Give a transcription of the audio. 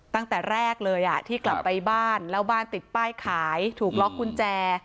ตั้งแต่แรกเลยที่กลับไปบ้านแล้วบ้านติดป้ายขายถูกล็อกกุญแจ